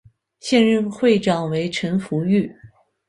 现任会长为陈福裕。